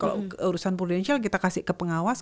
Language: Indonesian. kalau urusan prudensial kita kasih ke pengawas